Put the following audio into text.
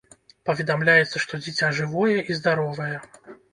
Паведамляецца, што дзіця жывое і здаровае.